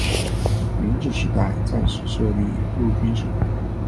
明治时代在此设立陆军省。